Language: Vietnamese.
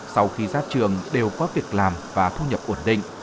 sau khi ra trường đều có việc làm và thu nhập ổn định